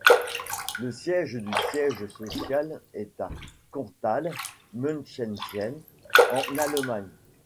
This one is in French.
Le siège du siège social est à Korntal-Münchingen, en Allemagne.